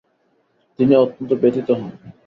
তিনি অত্যন্ত ব্যথিত হন।